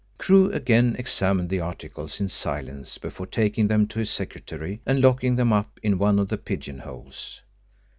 Crewe again examined the articles in silence before taking them to his secrétaire and locking them up in one of the pigeon holes.